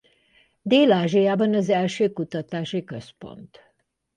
Dél-Ázsiában az első kutatási központ.